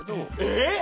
えっ！